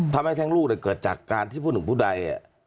ทำให้แท้งลูกแต่เกิดจากการที่พูดถึงผู้ใด